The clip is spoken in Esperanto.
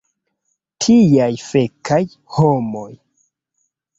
Tiaj fekaj homoj!